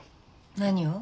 何を？